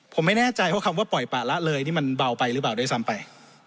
ผมไม่แน่ใจว่าคำว่าปล่อยปะละเลยนี่มันเบาไปหรือเปล่าด้วยซ้ำไป